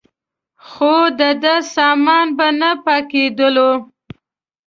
خو دده سامان به نه پاکېدلو.